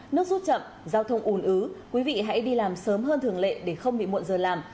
nước rút chậm giao thông ồn ứ quý vị hãy đi làm sớm hơn thường lệ để không bị muộn giờ làm